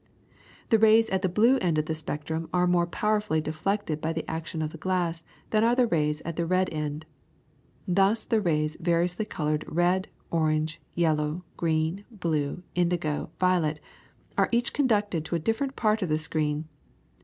The rays at the blue end of the spectrum are more powerfully deflected by the action of the glass than are the rays at the red end. Thus, the rays variously coloured red, orange, yellow, green, blue, indigo, violet, are each conducted to a different part of the screen.